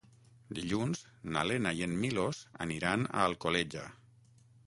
Dilluns na Lena i en Milos aniran a Alcoleja.